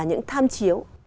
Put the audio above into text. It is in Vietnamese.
những tham chiếu